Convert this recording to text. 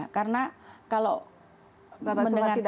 karena kalau mendengar ceritanya